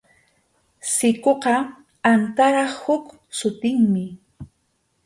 Sikuqa antarap huk sutinmi.